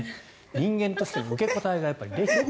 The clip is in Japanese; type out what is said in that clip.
人間としての受け答えができてる。